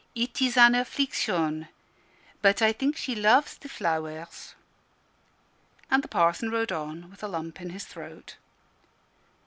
_ It is an affliction: but I think she loves the flowers." And the Parson rode on with a lump in his throat.